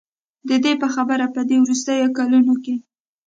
د دې په خبره په دې وروستیو کلونو کې